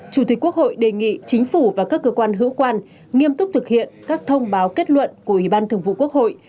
chủ tịch quốc hội đề nghị chính phủ và các cơ quan hữu quan nghiêm túc thực hiện các thông báo kết luận của ủy ban thường vụ quốc hội